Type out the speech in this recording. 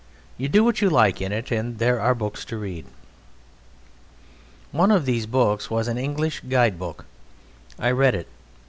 You do what you like in it and there are books to read. One of these books was an English guide book. I read it.